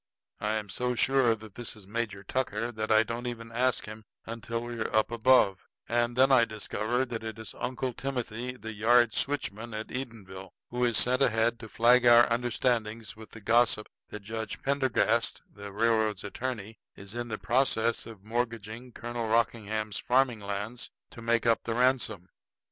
I am so sure that this is Major Tucker that I don't even ask him until we are up above; and then I discover that it is Uncle Timothy, the yard switchman at Edenville, who is sent ahead to flag our understandings with the gossip that Judge Pendergast, the railroad's attorney, is in the process of mortgaging Colonel Rockingham's farming lands to make up the ransom.